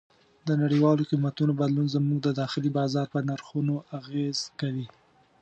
د نړیوالو قیمتونو بدلون زموږ د داخلي بازار په نرخونو اغېز کوي.